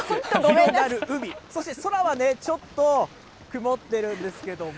目の前は海、そして空はね、ちょっと曇ってるんですけども。